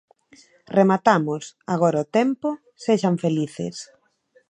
Rematamos, agora o tempo, sexan felices.